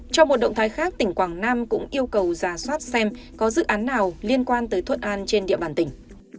trong một động thái khác tỉnh quảng nam cũng yêu cầu giả soát xem có dự án nào liên quan tới thuận an trên địa bàn tỉnh